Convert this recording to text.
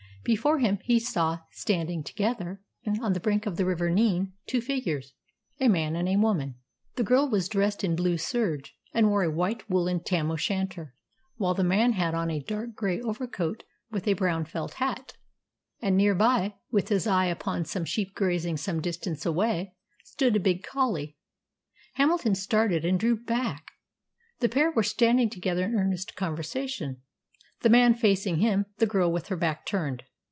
Before him, he saw standing together, on the brink of the river Nene, two figures a man and a woman. The girl was dressed in blue serge, and wore a white woollen tam o' shanter, while the man had on a dark grey overcoat with a brown felt hat, and nearby, with his eye upon some sheep grazing some distance away, stood a big collie. Hamilton started, and drew back. The pair were standing together in earnest conversation, the man facing him, the girl with her back turned.